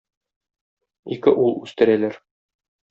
Ике ул үстерәләр.